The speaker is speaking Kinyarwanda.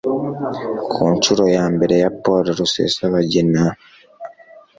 ku nshuro ya mbere ya Paul Rusesabagina,